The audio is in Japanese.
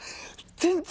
全然！